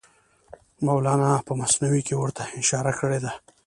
مولانا په مثنوي کې ورته اشاره کړې ده.